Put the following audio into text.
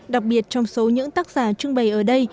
đặc biệt trong số những tác giả trưng bày ở đây